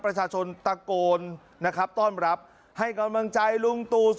ประชาชนตะโกนนะครับต้อนรับให้กำลังใจลุงตู่